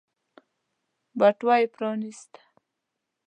بټوه يې پرانيسته.